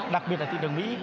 đặc biệt là thị trường mỹ